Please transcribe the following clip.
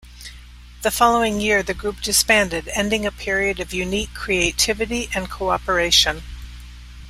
The following year the group disbanded, ending a period of unique creativity and cooperation.